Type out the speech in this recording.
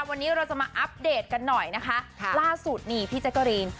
วันนี้เราจะมาอัปเดตกันหน่อยนะคะล่าสุดนี่พี่แจ๊กกะรีน